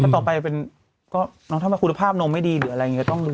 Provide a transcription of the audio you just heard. ต่อไปคุณภาพนมไม่ดีหรืออะไรอย่างนี้